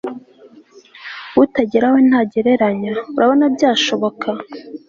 utagera we ntagereranya, urabona byashoboka